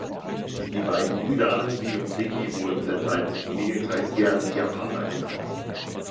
Die beiden Brüder Hansi und Dicky wurden deshalb im Familienkreis gern „die Japaner“ genannt.